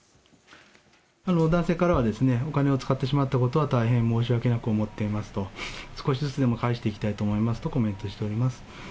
男性からは、お金を使ってしまったことは大変申し訳なく思っていますと、少しずつでも返していきたいとコメントしております。